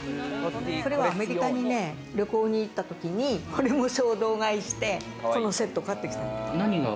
これはアメリカに旅行に行ったときに、これも衝動買いして、このセットを買ってきた。